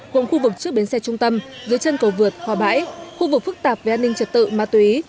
gồm khu vực trước bến xe trung tâm dưới chân cầu vượt hòa bãi khu vực phức tạp về an ninh trật tự ma túy